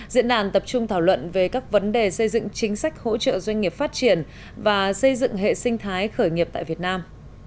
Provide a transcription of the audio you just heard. diễn đàn tập trung thảo luận về các vấn đề xây dựng chính sách hỗ trợ doanh nghiệp phát triển và xây dựng hệ sinh thái khởi nghiệp tại việt nam